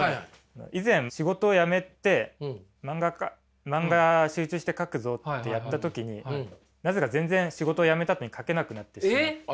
以前仕事を辞めて漫画集中して描くぞってやった時になぜか全然仕事を辞めたあとに描けなくなってしまって。